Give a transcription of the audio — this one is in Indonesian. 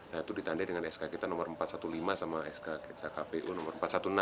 nah itu ditandai dengan sk kita nomor empat ratus lima belas sama sk kita kpu nomor empat ratus enam belas